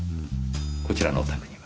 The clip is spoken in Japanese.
こちらのお宅には？